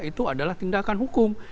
itu adalah tindakan hukum